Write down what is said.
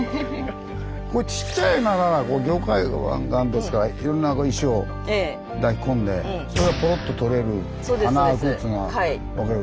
これちっちゃいなら凝灰岩ですからいろんな石を抱き込んでそれがポロッととれる穴あくっつうのは分かる。